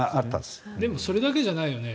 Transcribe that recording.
でもそれだけじゃないよね。